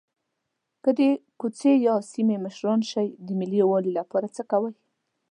که د کوڅې یا سیمې مشران شئ د ملي یووالي لپاره څه کوئ.